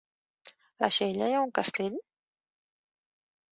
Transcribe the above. A Xella hi ha un castell?